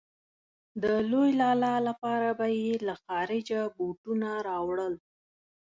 د لوی لالا لپاره به يې له خارجه بوټونه راوړل.